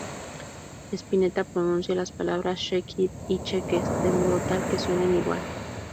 Spinetta pronuncia las palabras "shake it" y "cheques" de modo tal que suenen igual.